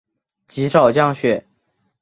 极少降雪。